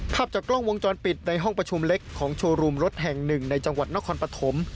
ภาพจากกล้องวงจรปิดในห้องประชุมเล็กของโชว์รูมรถแห่งหนึ่งในจังหวัดนครปฐม